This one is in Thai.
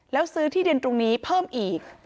แล้วซื้อที่ดินตรงนี้เพิ่มอีก